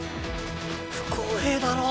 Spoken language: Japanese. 不公平だろ。